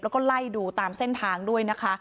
แล้วก็ไล่ดูตามเส้นทางด้วยนะคะ